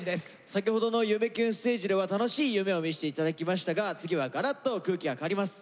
先ほどの「夢キュンステージ」では楽しい夢を見せて頂きましたが次はがらっと空気が変わります。